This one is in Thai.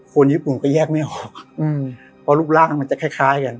คนญี่ปุ่นก็แยกไม่ออกเพราะรูปร่างมันจะคล้ายคล้ายกัน